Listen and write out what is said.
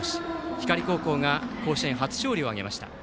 光高校が甲子園初勝利を挙げました。